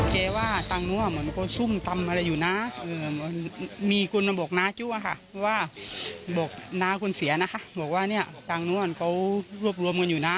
กล๕๙นก็รกรวมคนอยู่นะ